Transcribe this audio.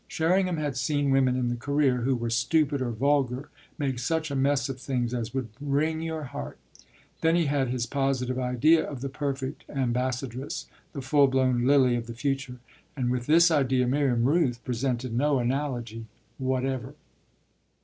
Sherringham had seen women in the career, who were stupid or vulgar, make such a mess of things as would wring your heart. Then he had his positive idea of the perfect ambassadress, the full blown lily of the future; and with this idea Miriam Rooth presented no analogy whatever.